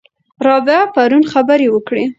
رابعه پرون خبرې وکړې.